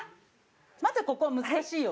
まだここは難しいよ。